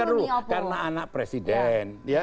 dengar dulu karena anak presiden